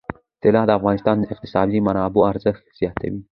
طلا د افغانستان د اقتصادي منابعو ارزښت زیاتوي.